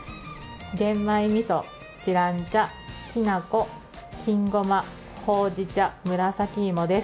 玄米みそ、知覧茶、きなこ、金ごま、ほうじ茶、紫芋です。